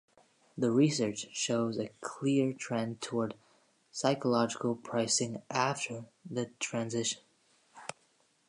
The research showed a clear trend towards psychological pricing after the transition.